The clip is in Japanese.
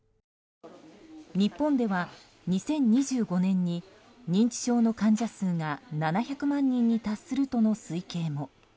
日本では２０２５年に認知症の患者数が７００万人に達するとの推計も。